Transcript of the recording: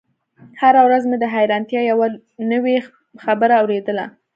هره ورځ مې د حيرانتيا يوه نوې خبره اورېدله.